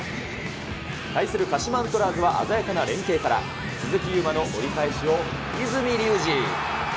対する鹿島アントラーズは鮮やかな連係から、鈴木優磨の折り返しを、和泉竜司。